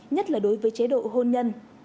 nhất là đối với chế độ hôn nhân